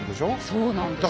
そうなんですよね。